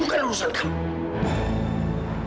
bukan urusan kamu